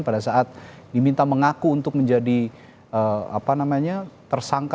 pada saat diminta mengaku untuk menjadi tersangka